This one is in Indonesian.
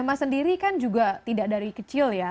mas sendiri kan juga tidak dari kecil ya